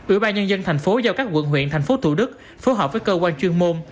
ủy ban nhân dân tp giao các quận huyện tp thủ đức phối hợp với cơ quan chuyên môn